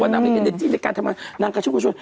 หนังกระชุ้งกมาพูดว่าน้ำเป็นเด็ก